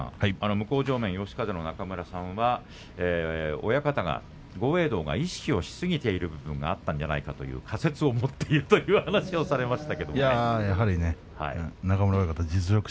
向正面の嘉風の中村親方は豪栄道が意識をしすぎているんじゃないかという仮説を持っているという話をされていました。